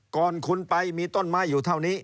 ก่อนคุณไปมีต้นไม้อยู่เท่านี้